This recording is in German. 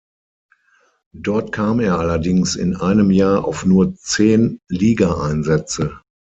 Dort kam er allerdings in einem Jahr auf nur zehn Ligaeinsätze.